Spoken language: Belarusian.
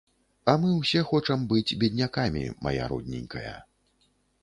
А мы ўсе хочам быць беднякамі, мая родненькая.